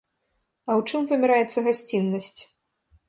А ў чым вымяраецца гасціннасць?